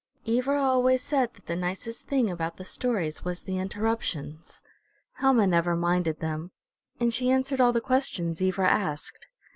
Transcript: Ivra always said that the nicest thing about the stories was the interruptions. Helma never minded them, and she answered all the questions Ivra asked.